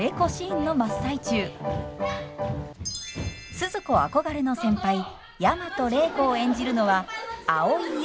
スズ子憧れの先輩大和礼子を演じるのは蒼井優さん。